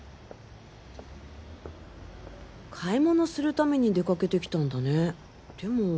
買い物するために出かけてきたんだねでも。